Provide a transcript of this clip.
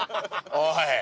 おい！